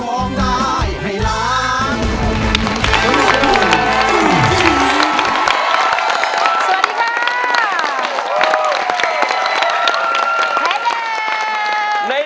สวัสดีค่ะ